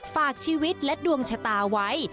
ฝากชีวิตและดวงชะตาไว้